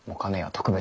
特別？